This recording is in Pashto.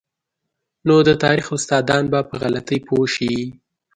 نو د تاریخ استادان به په غلطۍ پوه شي.